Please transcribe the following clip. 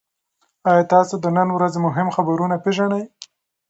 ایا تاسي د نن ورځې مهم خبرونه پېژنئ؟